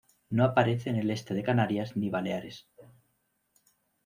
No aparece en el Este de Canarias ni Baleares.